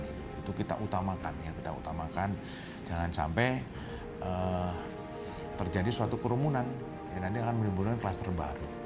itu kita utamakan jangan sampai terjadi suatu kerumunan yang nanti akan menimbulkan kluster baru